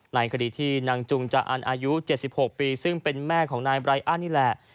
ในคดีที่นางจุงจาอันอายุ๗๖ปีซึ่งเป็นแม่ของนายไรอันนี่แหละ